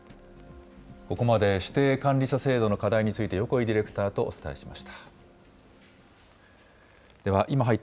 ここまで指定管理者制度の課題について、横井ディレクターとお伝えしました。